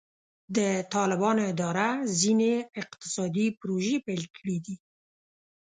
د طالبانو اداره ځینې اقتصادي پروژې پیل کړې دي.